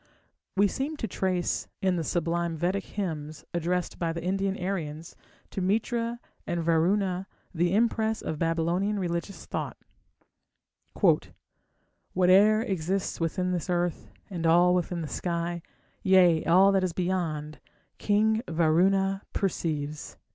We seem to trace in the sublime Vedic hymns addressed by the Indian Aryans to Mitra and Varuna the impress of Babylonian religious thought: Whate'er exists within this earth, and all within the sky, Yea, all that is beyond, King Varuna perceives....